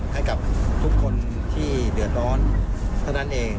ให้กับทุกคนที่เดือดร้อนเท่านั้นเอง